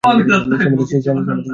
সে আমাদের যেতে দেবে না।